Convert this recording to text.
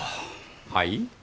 はい？